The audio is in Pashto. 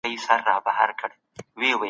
په روغتونونو کي باید د مریضانو پالنه وشي.